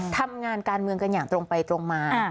ทำงานการเมืองกันอย่างตรงไปตรงมา